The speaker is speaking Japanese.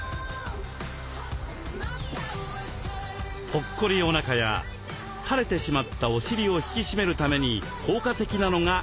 ぽっこりおなかや垂れてしまったお尻を引き締めるために効果的なのが筋トレ。